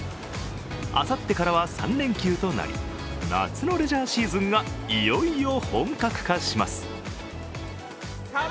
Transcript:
あさってからは、３連休となり、夏のレジャーシーズンがいよいよ本格化します。